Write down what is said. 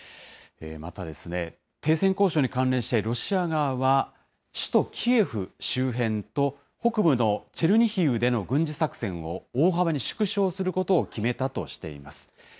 また、停戦交渉に関連して、ロシア側は、首都キエフ周辺と、北部のチェルニヒウでの軍事作戦を大幅に縮小することを決めたとしています。